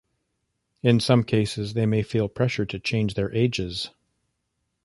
In some cases, they may feel pressure to change their ages.